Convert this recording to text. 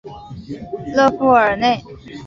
勒富尔内。